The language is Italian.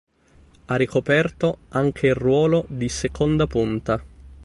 Ha ricoperto anche il ruolo di seconda punta.